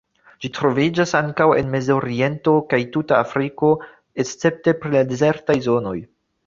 Ĝi troviĝas ankaŭ en Mezoriento kaj tuta Afriko, escepte pri la dezertaj zonoj.